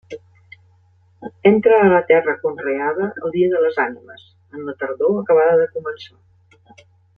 Entra a la terra conreada el dia de les Ànimes, en la tardor acabada de començar.